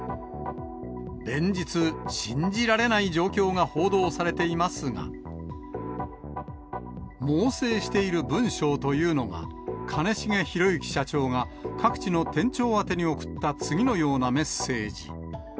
連日、信じられない状況が報道されていますが、猛省している文章というのが、兼重宏行社長が各地の店長宛てに送った次のようなメッセージ。